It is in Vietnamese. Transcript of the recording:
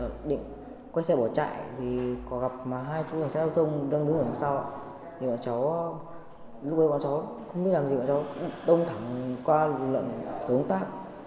khi quay xe bỏ chạy thì có gặp hai chủ đề xe giao thông đang đứng ở sau thì bọn cháu lúc đấy bọn cháu không biết làm gì bọn cháu đông thẳng qua lượng tổ công tác